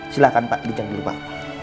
silahkan pak dijan dulu pak